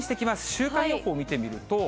週間予報見てみると。